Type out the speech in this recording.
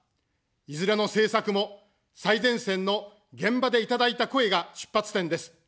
いずれの政策も、最前線の現場でいただいた声が出発点です。